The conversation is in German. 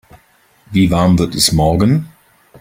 Wie warm wird es morgen?